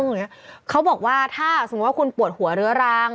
พี่หนุ่มบอกว่าพี่หนุ่มบอกว่าพี่หนุ่มบอกว่าพี่หนุ่มบอกว่าพี่หนุ่มบอกว่า